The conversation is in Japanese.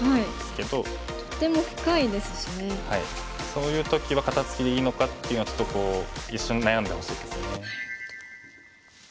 そういう時は肩ツキでいいのかっていうのはちょっとこう一瞬悩んでほしいですね。